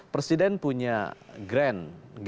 presiden punya geng